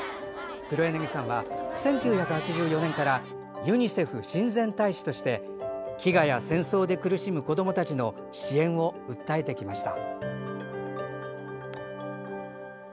黒柳さんは、１９８４年からユニセフ親善大使として飢餓や戦争で苦しむ子どもたちの支援を訴えてきました。